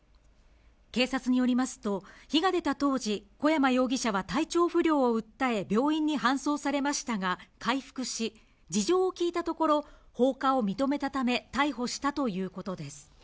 警察によりますと、火が出た当時、小山容疑者は体調不良を訴え、病院に搬送されましたが回復し、事情を聞いたところ、放火を認めたため、逮捕したということです。